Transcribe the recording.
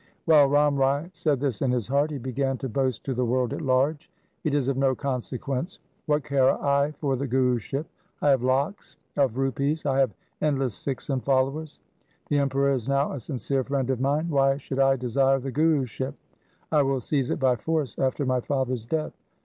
While Ram Rai said this in his heart, he began to boast to the world at large —' It is of no consequence. What care I for the Guruship ? I have lakhs of rupees, I have endless Sikhs and followers. The Emperor is now a sincere friend of mine. Why should I desire the Guruship ? I will seize it by force after my father's death.